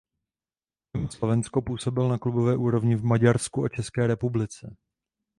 Mimo Slovensko působil na klubové úrovni v Maďarsku a České republice.